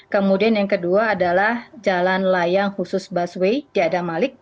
kemudian yang kedua adalah jalan layang khusus busway di adamalik